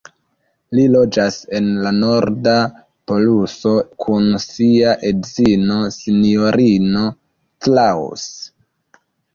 Li loĝas en la Norda Poluso kun sia edzino, Sinjorino Claus.